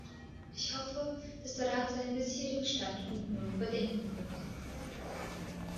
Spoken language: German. Ich hoffe, dass der Rat seinen bisherigen Standpunkt nun überdenken wird.